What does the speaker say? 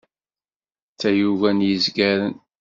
D tayuga n yezgaren.